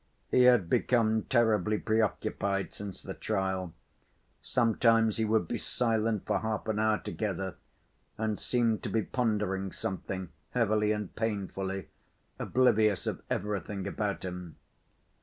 He had become terribly preoccupied since the trial; sometimes he would be silent for half an hour together, and seemed to be pondering something heavily and painfully, oblivious of everything about him.